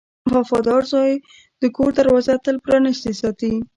• وفادار زوی د کور دروازه تل پرانستې ساتي.